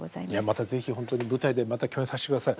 また是非ほんとに舞台でまた共演させてください。